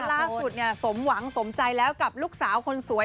ล่าสุดสมหวังสมใจแล้วกับลูกสาวคนสวย